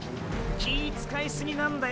気ィ遣いすぎなんだよ